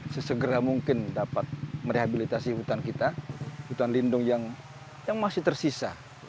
sesegera mungkin dapat merehabilitasi hutan kita hutan lindung yang masih tersisa